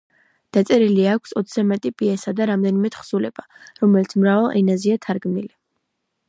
დაწერილი აქვს ოცზე მეტი პიესა და რამდენიმე თხზულება, რომელიც მრავალ ენაზეა თარგმნილი.